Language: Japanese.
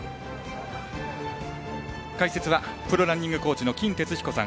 解説はプロランニングコーチの金哲彦さん。